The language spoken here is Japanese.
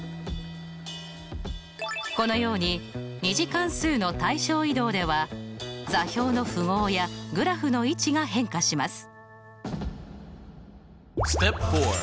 このように２次関数の対称移動では座標の符号やグラフの位置が変化します。